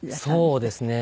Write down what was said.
そうですね。